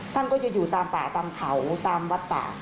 ท่านก็จะอยู่ตามป่าตามเขาตามวัดป่า